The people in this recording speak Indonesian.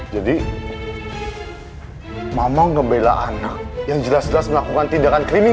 jadi mama ngebela anak yang jelas jelas melakukan tindakan kriminal